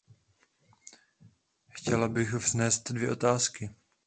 Chtěla bych vznést dvě otázky.